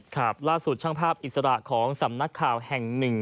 ครับล่าสุดช่างภาพอิสระของสำนักข่าวแห่งหนึ่ง